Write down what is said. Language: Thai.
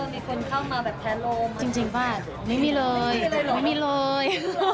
มีคนเข้ามาแบบแพ้โลมจริงป่ะไม่มีเลย